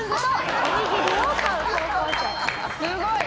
すごい！